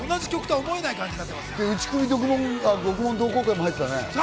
同じ曲とは思えない感じです。